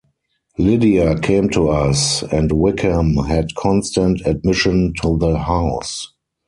Lydia came to us; and Wickham had constant admission to the house.